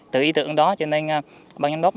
tự ý tưởng đó cho nên bà nhân đốc